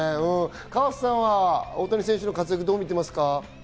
河瀬さんは大谷選手の活躍をどう見ていますか？